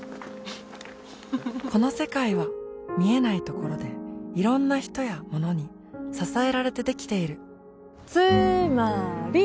この世界は見えないところでいろんな人やものに支えられてできているつーまーり！